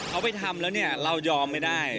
เอาไปทำแล้วอะไรเรายอมไม่ได้